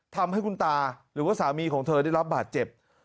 ทำให้คุณตาหรือว่าสามีของเธอได้รับบาดเจ็บ